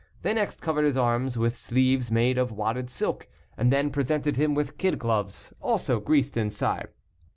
They next covered his arms with sleeves made of wadded silk, and then presented him with kid gloves, also greased inside.